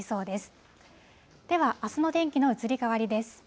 では、あすの天気の移り変わりです。